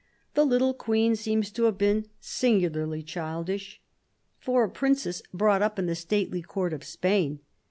The little Queen seems to have been singularly childish, for a princess brought up in the stately Court of Spain.